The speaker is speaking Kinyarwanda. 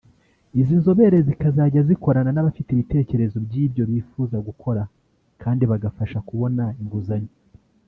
Izo nzobere zikazajya zikorana n’abafite ibitekerezo by’ibyo bifuza gukora kandi bagafasha kubona inguzanyo